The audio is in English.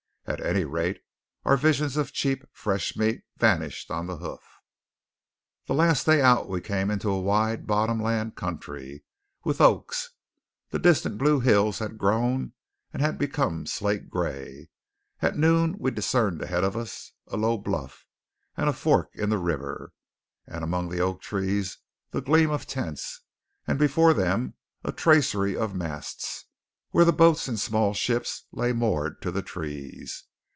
At any rate our visions of cheap fresh meat vanished on the hoof. The last day out we came into a wide bottomland country with oaks. The distant blue hills had grown, and had become slate gray. At noon we discerned ahead of us a low bluff, and a fork in the river; and among the oak trees the gleam of tents, and before them a tracery of masts where the boats and small ships lay moored to the trees.